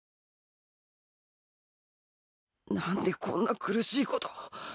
なんでこんな苦しいこと。